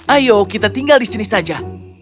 ayo kita tinggal di sini saja